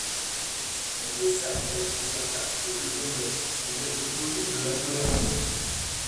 Elle desservait plusieurs quartiers de Genève et quelques communes de l'agglomération.